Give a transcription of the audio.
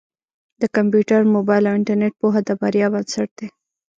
د کمپیوټر، مبایل او انټرنېټ پوهه د بریا بنسټ دی.